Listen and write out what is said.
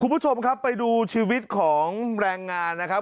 คุณผู้ชมครับไปดูชีวิตของแรงงานนะครับ